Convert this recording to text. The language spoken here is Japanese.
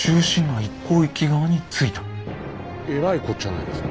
えらいこっちゃないですか。